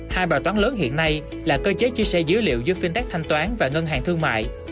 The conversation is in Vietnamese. hai bài toán lớn hiện nay là cơ chế chia sẻ dữ liệu giữa fintech thanh toán và ngân hàng thương mại